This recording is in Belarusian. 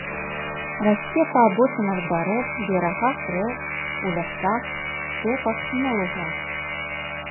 Расце па абочынах дарог, берагах рэк, у лясах, стэпах і на лугах.